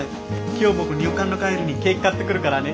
今日僕入管の帰りにケーキ買ってくるからね。